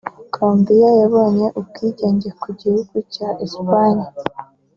Colombiya yabonye ubwigenge ku gihugu cya Espanyi